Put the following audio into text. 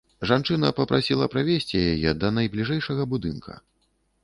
Жанчына папрасіла правесці яе да найбліжэйшага будынка.